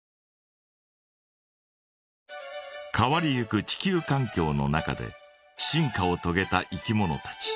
変わりゆく地球かん境の中で進化をとげたいきものたち。